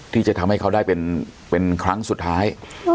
ที่จะทำให้เขาได้เป็นครั้งสุดท้าย